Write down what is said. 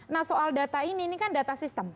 nah soal data ini ini kan data sistem